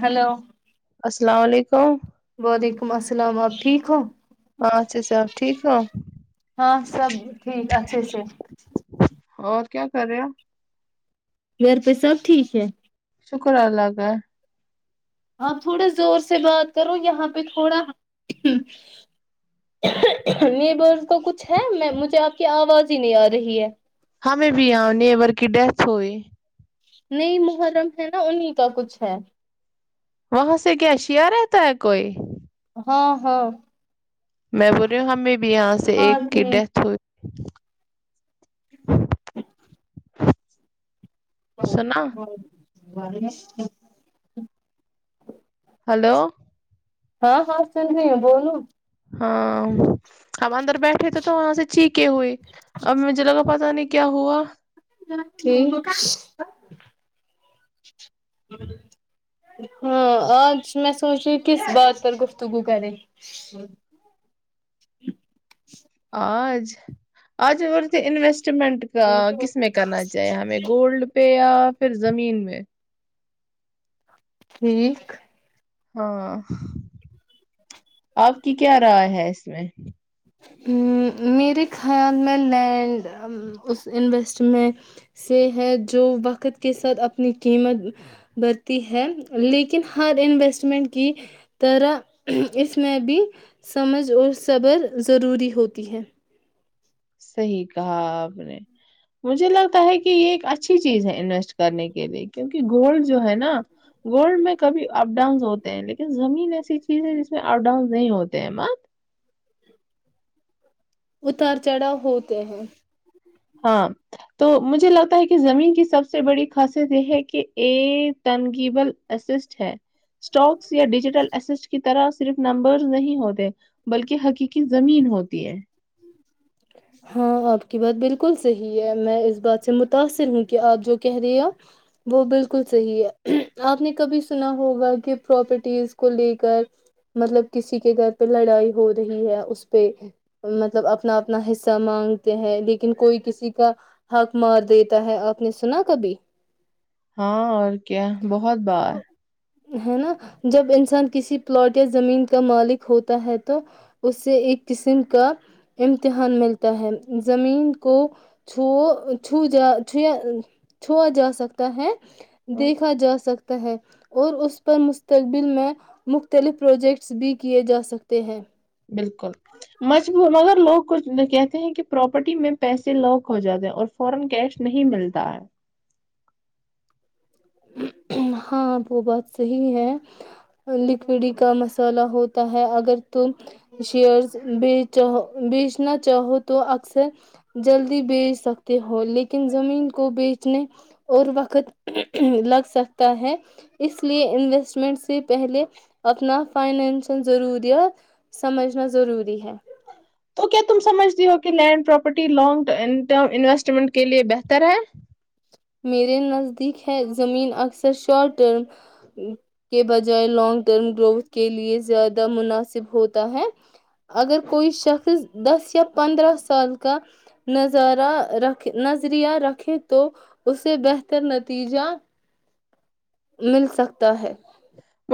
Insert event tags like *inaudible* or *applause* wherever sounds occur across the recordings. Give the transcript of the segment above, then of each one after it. hello کو وعلیکم السلام آپ ٹھیک ہو ہاں اچھے سے آپ ٹھیک ہو ہاں سب ٹھیک اچھے سے اور کیا کر رہے گھر پہ سب ٹھیک ہے شکر اللہ کا آپ تھوڑے زور سے بات کرو یہاں پہ تھوڑا نیبر تو کچھ ہے میں مجھے آپ کی آواز ہی نہیں آ رہی ہے ہمیں بھی یہ نیبر کی ڈیتھ ہوئی نئی محرم ہے نا انہیں کا کچھ ہے وہاں سے کیا شیا رہتا ہے کوئی ہاں ہاں میں بول رہی ہوں ہمیں بھی یہاں سے ہاں ایک کی ٹھیک ڈیتھ ہوئی *inaudible* *inaudible* ہوئی سنا ا *inaudible* *inaudible* ہلو ہاں ہاں سن رہی ہ بولو ہاں ہم اندر بیٹھے تھے تو وہاں سے چیخے ہوئے اب مجھے لگا پت نہیں کہ کیا ہوا ہاں آج میں سوچی کس بات پر گفتگو کریں آج آج مور ت انوسٹ سٹنٹ کس میں کرنا چاہیے ہمیں گولڈ پہ یا پھر زمین میں ٹھیک ہاں آپ کی کیا رائے ہے اس میں میرے خیال میں لینڈ اس انویسٹمنٹ سے ہے جو وقت کے ساتھ اپنی قیمت برتی ہے لیکن ہر انویسٹمنٹ کی طرح اس میں بھی سمجھ اور صبر ضروری ہوتی ہے صحیح کہا آپ نے مجھے لگتا ہے کہ یہ ایک اچھی چیز ہے انویسٹ کرنے کے لیے کیونک گولڈ جو ہے نا گولڈ میں کبھی اپ ڈاؤن ہوتے ہیں لیکن زمین ایسی چیز ہے جس میں اپ ڈاؤن نہیں ہوتے ہیں مت اتار چڑھا ہوتے ہیں ہاں تو مجھے لگتا ہے کہ زمین کی سب سے بڑی خاصیت یہ ہے کہ ایک تنگیبل اسسٹ ہے اسٹاکس یا ڈیجیٹل اسٹ ک طرح صرف نمبرز نہیں ہوتے بلکہ حقیقی زمین ہوتی ہے ہاں آپ کی بات بالکل صحی ہے میں اس بات سے متاثر ہوں کہ آپ جو کہہ رہی آ وہ بالکل صحی ہے آپ نے کبھی سنا ہوگا کہ پراپرٹیز کو لے کر مطلب کسی کے گھر پہ لڑائی ہو رہی ہے اس پہ مطلب اپنا اپنا حصہ مانگتے ہیں لیکن کوئی کسی کا حق مار دیتا ہے آپ نے سنا کبھی ہاں اور کیا بہت بار ہے نا جب انسان کسی پلاٹ یا زمین کا مالک ہوتا ہے تو اس سے ایک قسم کا امتحان ملتا ہے زمین کو چھو چھو جا چھویا چھوا جا سکتا ہے دیکھا جا سکتا ہے اور اس پر مستقبل میں مختلف پروجیکٹس بھی کیے جا سکتے ہیں بالکل مجبور مگر لوگ کچ کہتے ہیں کہ پراپرٹی میں پیسے لک ہو جاتے ہیں اور فورن کیش نہیں ملتا ہے ہاں وہ بات صحی ہے لکوڈی کا مسالح ہوتا ہے اگر تم شیئر بیچ بیچنا چاہو تو اکثر جلدی بیچ سکتے ہو لیکن زمین کو بیچنے اور وقت لگ سکتا ہے اس لیے انویسٹمنٹ سے پہلے اپنا فائنینشل ضروریات سمجھنا ضروری ہے تو کیا تم سمجھتی ہو کہ land property long term investment کے لیے بہتر ہے میرے نزدیک ہے زمین اکثر شارٹ ٹرم کے بجائے لانگ ٹرم گروتھ کے لیے زیادہ مناسب ہوتا ہے اگر کوئی شخص دس یا پندرہ سال کا نظارہ رکھ نظریہ رکھے تو اسے بہتر نتیجہ مل سکتا ہے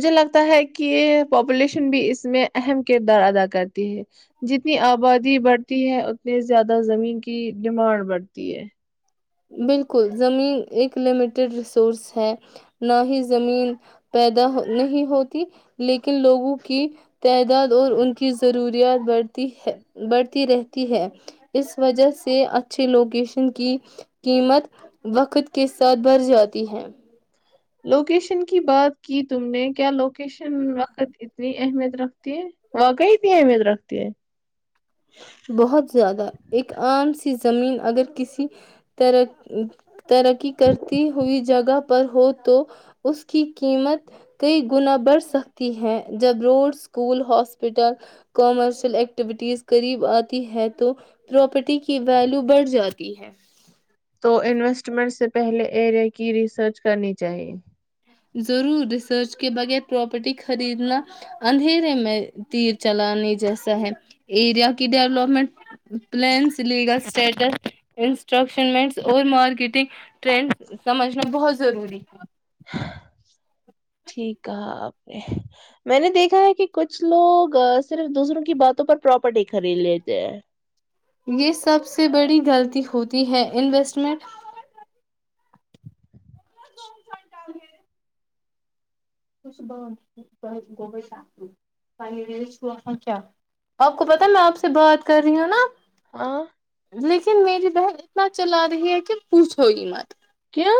مجھے لگتا ہے کہ یہ پاپولیشن بھی اس میں اہم کردار ادا کرتی ہے جتنی آبادی بڑھتی ہے اتنی زیادہ زمین کی ڈیمانڈ بڑھتی ہے بالکل زمین ایک لمیٹڈ ریسورس ہے نہ ہی زمین پیدا نہیں ہوتی لیکن لوگوں کی تعداد اور ان کی ضروریات بڑھتی ہے بڑھتی رہتی ہے اس وجہ سے اچھے لوکیشن کی قیمت وقت کے ساتھ بڑھ جاتی ہے لوکیشن کی بات کی تم نے کیا لوکیشن وقت اتنی اہمیت رکھتی ہے واقعی اتنی اہمیت رکھتی ہے بہت زیادہ ایک عام سی زمین اگر کسی ترقی کرتی ہوئی جگہ پر ہو تو اس کی قیمت کئی گنا بڑھ سکتی ہے جب road school hospital commercial activities قریب آتی ہے تو پراپرٹی کی ویلو بڑھ جاتی ہے تو انویسٹمنٹ سے پہلے ایریا کی ریسرچ کرنی چاہیے ضرور ریسرچ کے بغیر پراپرٹی خریدنا اندھیرے میں تیر چلانے جیسا ہے ایریا کی ڈیولپمنٹ پلانس لیگل اسٹیٹس انسٹرکشنٹ اور مارکیٹنگ ٹرینڈ سمجھنا بہت ضروری ہے ٹھیک ہے آپ نے میں نے دیکھا ہے کہ کچھ لوگ صرف دوسروں کی باتوں پر پراپرٹی خرید لیتے ہیں یہ سب سے بڑی غلطی ہوتی ہے انویسٹمنٹ آپ کو پتا میں آپ سے بات کر رہی ہوں نا ہاں لیکن میری بہن اتنا چلا رہی ہے کہ پوچھو گی مت کیا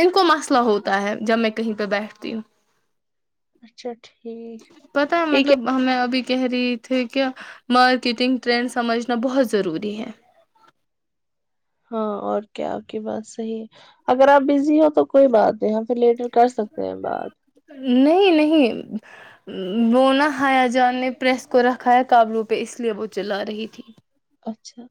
ان کو مسئلہ ہوتا ہے جب میں کہیں پہ بیٹھتی ہوں اچھا ٹھیک پتا ٹھیک ہے مطلب ہمیں ابھی کہہ رہی تھھی کیا مارکیٹنگ ٹرینڈ سمجھنا بہت ضروری ہے ہاں اور کیا آپ کی بات صحیح ہے اگر آپ بزی ہو تو کوئی بات نہیں پھر لیٹ نہیں نہیں وہ نہ ہایا جان نے پریس کو رکھا ہے قبلو پہ اس لیے وہ چلا رہی تھی اچھا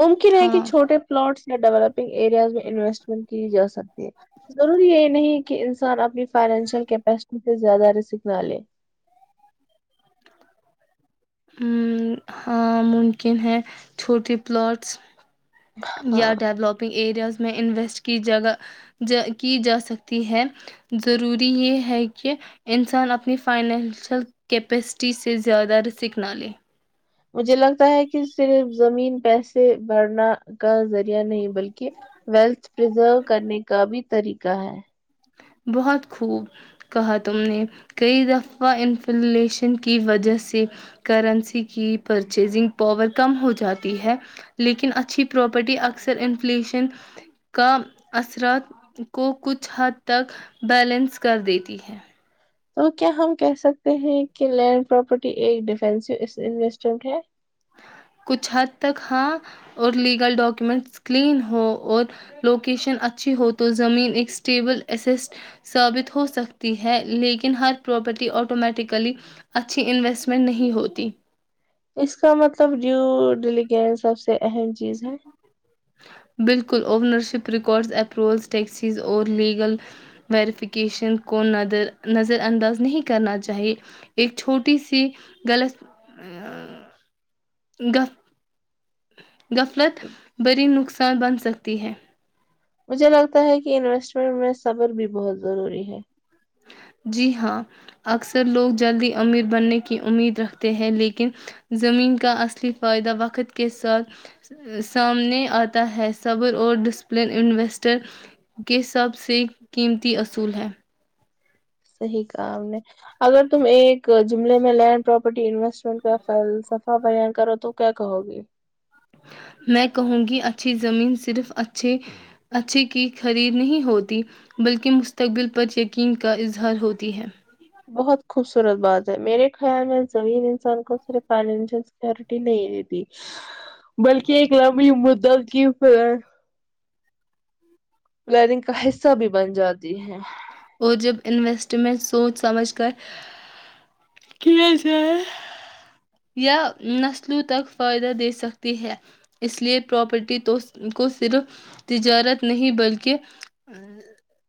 ممکن ہے کہ ہاں چھوٹے پلاٹس یا ڈیولپنگ ایریاز میں انویسٹمنٹ کی جا سکتی ہے ضروری یہ نہیں کہ انسان اپنی فائنینشیل کیپسٹی سے زیادہ رسک نہ لے ہ ہاں ممکن ہے چھوٹیے پلاٹس یا ہاں ڈیولپنگ ایریاز میں انویسٹ ج کی جا سکتی ہے ضروری یہ ہے کہ انسان اپنی فائنینشل کیپیسٹی سے زیادہ سک نہ لے مجھے لگتا ہے کہ صرف زمین پیسے بھرنا کا ذریعہ نہیں بلکہ ویلتھ پرزرو کرنے کا بھی طریقہ ہے بہت خوب کہا تم نے کئی دفعہ انفلیشن کی وجہ سے کرنسی کی پرچیزنگ پاور کم ہو جاتی ہے لیکن اچھی پراپرٹی اکثر انفلیشن کا اثرات کو کچھ حد تک بیلنس کر دیتی ہے تو کیا ہم کہہ سکتے ہیں کہ لینڈ پراپرٹی ایک ڈیفینسو انویسٹمنٹ ہے کچھ حد تک ہاں اور لیگل ڈاکومنٹ کلین ہو اور لوکیشن اچھی ہو تو زمین ایک اسٹیبل اس ثابت ہو سکتی ہے لیکن ہر پراپرٹی آٹومیٹیکلی اچھی انویسٹمنٹ نہیں ہوتی اس کا مطلب جو ڈلی گس سے اہم چیز ہے بالکل اوونرشپ ریکارڈز اپروولز ٹیکسیز اور لیگل ویریفکیشن کو نظر انداز نہیں کرنا چاہیئے ایک چھوٹی سی غلط گف غفلت بری نقصان بن سکتی ہے مجھے لگتا ہے کہ انویسٹمنٹ میں صبر بھی بہت ضروری ہے *unintelligible* صحیح کام نے اگر تم ایک جملے میں لینڈ پراپرٹی انویسٹمنٹ کا سفا بان کرو تو کیا کہو گی میں کہوں گی اچھی زمین صرف اچھھی اچھھی کی خرید نہیں ہوتی بلکہ مستقبل پر یقین کا اظہار ہوتی ہے ورت باز ہے میرے خیال میں زمین انسان کو صرف فائنشیل سکورٹی نہیں دی دی بلکہ ایک لمبی ادھر کی پ ہے لرننگ کا حصہ بھی بن جاتا جی ہے *unintelligible* اور جب انویسٹمنٹ سوچ سمجھ کر کیاائے یا نسلوں تک فائدہ دے سکتی ہے اس لیے پراپرٹی کو صرف تجارت نہیں بلکہ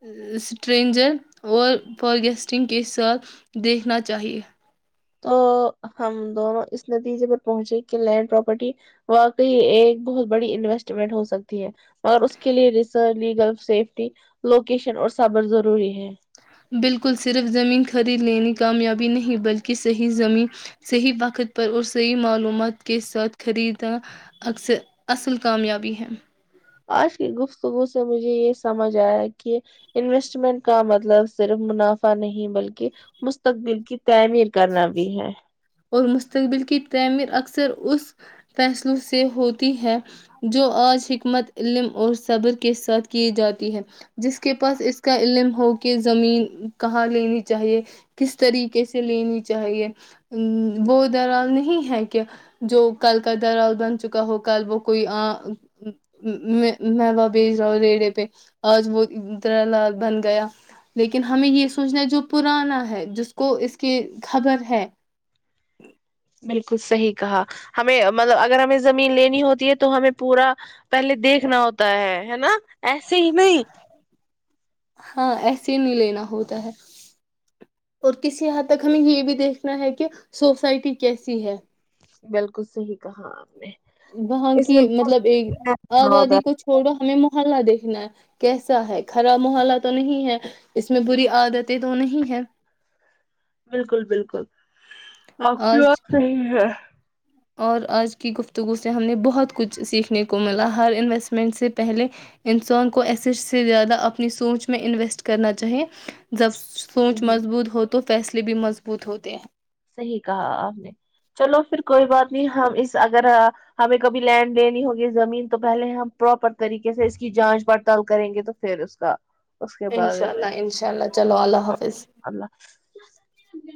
*unintelligible* اسٹرینجر اور فارگسٹنگ کے ساتھ دیکھنا چاہیے *unintelligible* تو ہم دونوں اس نتیجے پر پہنچے کہ لینڈ پراپرٹی واقعی ایک بہت بڑی انویسٹمنٹ ہو سکتی ہے مگر اس کے لیے ریسرچ لیگل سیفٹی لوکیشن اور سبر ضروری ہے بالکل صرف زمین خرید لینی کامیابی نہیں بلکہ صحیح زمین صحیح وقت پر اور صحیح معلومات کے ساتھ خریدنا اکثر اصل کامیابی ہے آج کی گفتگو سے مجھے یہ سمجھ آیا کہ انویسٹمنٹ کا مطلب صرف منافع نہیں بلکہ مستقبل کی تعمیر کرنا بھی ہے *unintelligible* اور مستقبل کی تعمیر اکثر اس فیصلوں سے ہوتی ہے جو آج حکمت علم اور صبر کے ساتھ کی جاتی ہے جس کے پاس اس کا علم ہو کہ زمین کہاں لینی چاہیے کس طریقے سے لینی *unintelligible* چاہیے وہ درال نہیں ہے کہ جو کل کا درال بن چکا ہو کل وہ کوئی م بھیج رہا ہو ریڑے پہ آج وہ درلال بن گیا لیکن ہمیں یہ سوچنا ہے جو پرانا ہے جس کو اس کے *unintelligible* خبر ہے *unintelligible* بالکل صحیح کہا ہمیں مطلب اگر ہمیں زمین لینی ہوتی ہے تو ہمیں پورا پہلے دیکھنا ہوتا ہے ہے نا ایسے ہی نہیں *unintelligible* ہاں ایسے ہی نہیں لینا ہوتا ہے اور کسی یہاں تک ہمیں یہ بھی دیکھنا ہے کہ سوسائٹی کیسی ہے بالکل صحیح کہا آپ نے *unintelligible* وہاں اس کی میں مطلب ایک آبادی ہوتا کو چھوڑو ہمیں محلہ دیک کیسا ہے خراب محلہ تو نہیں ہے اس میں بری عادتیں تو نہیں ہے *unintelligible* بالکل بالکل آپ کی آج بات صحیح ہے اور آج کی گفتگو سے ہم نے بہت کچھ سیکھنے کو ملا ہر انویسٹمنٹ سے پہلے انسان کو ایسے سے زیادہ اپنی سوچ میں انویسٹ کرنا چاہے جب سوچ صحیح مضبوط ہوتی تو فیصلے بھی مضبوط ہوتے ہیں *unintelligible* صحیح کہا آپ نے چلو پھر کوئی بات نہیں ہم اس اگر ہمیں کبھی لینڈ لینی ہوگی زمین تو پہلے ہم پراپر طریقے سے اس کی جانچ پڑتال کریں گے تو پھر اس کا اس کے بعد انشاء اللہ انشاء اللہ چلو اللہ حافظ ج *unintelligible*